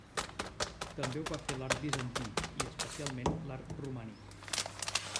També ho va fer l'art bizantí i, especialment, l'art romànic.